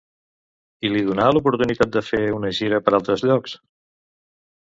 I li donà l'oportunitat de fer una gira per altres llocs?